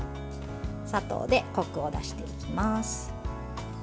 砂糖で、こくを出していきます。